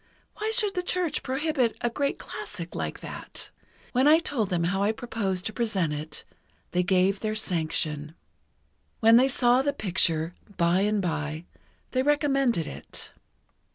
Why should the Church prohibit a great classic, like that? When I told them how I proposed to present it, they gave their sanction. When they saw the picture, by and by, they recommended it.